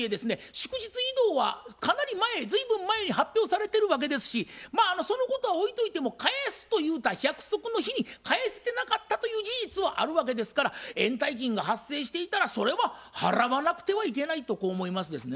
祝日移動はかなり前随分前に発表されてるわけですしそのことは置いといても返すと言うた約束の日に返せてなかったという事実はあるわけですから延滞金が発生していたらそれは払わなくてはいけないとこう思いますですね。